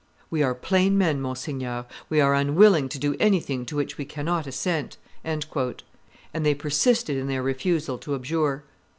"We are plain men, monseigneur; we are unwilling to do anything to which we cannot assent;" and they persisted in their refusal to abjure.